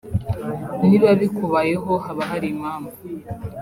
niba bikubayeho haba hari impamvu